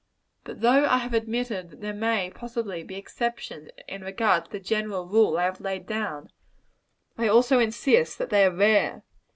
But though I have admitted that there may possibly be exceptions in regard to the general rule I have laid down, I also insist that they are rare.